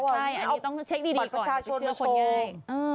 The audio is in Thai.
ใช่อันนี้ต้องเช็คดีก่อนไปเชื่อคนใหญ่